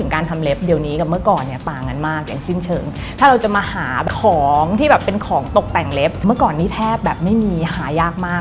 ของที่เป็นของตกแต่งเล็บเมื่อก่อนนี้แทบไม่มีหายากมาก